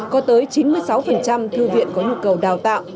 có tới chín mươi sáu thư viện có nhu cầu đào tạo